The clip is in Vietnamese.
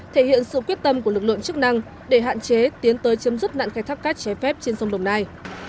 thể hiện sự quyết tâm của lực lượng chức năng để hạn chế tiến tới chấm dứt nạn khai thác cát trái phép trên sông đồng nai